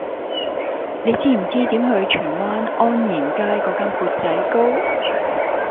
你知唔知點去荃灣安賢街嗰間缽仔糕